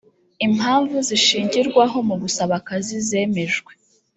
impamvu zishingirwaho mu gusaba akazi zemejwe.